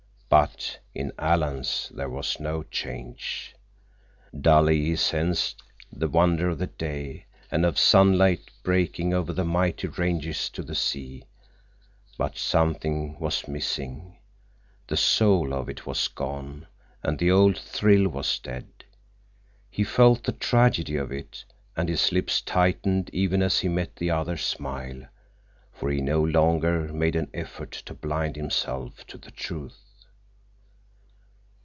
But in Alan's there was no change. Dully he sensed the wonder of day and of sunlight breaking over the mighty ranges to the sea, but something was missing. The soul of it was gone, and the old thrill was dead. He felt the tragedy of it, and his lips tightened even as he met the other's smile, for he no longer made an effort to blind himself to the truth.